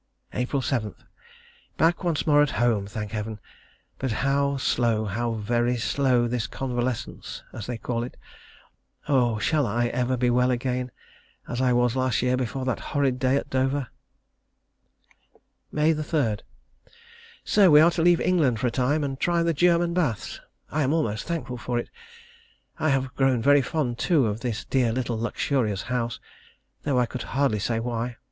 April 7. Back once more at home, thank Heaven! But how slow, how very slow this convalescence, as they call it, is. Oh! shall I ever be well again, as I was last year before that horrid day at Dover! May 3. So we are to leave England for a time, and try the German baths. I am almost thankful for it. I have grown very fond, too, of this dear little luxurious house, though I could hardly say why.